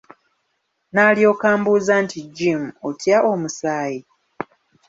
N'alyoka ambuuza nti "Jim, otya omusaayi?